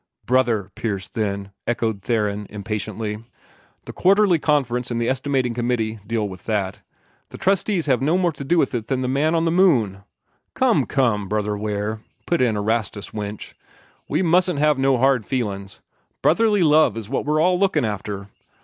"Brother Pierce, then!" echoed Theron, impatiently. "The Quarterly Conference and the Estimating Committee deal with that. The trustees have no more to do with it than the man in the moon." "Come, come, Brother Ware," put in Erastus Winch, "we mustn't have no hard feelin's. Brotherly love is what we're all lookin' after.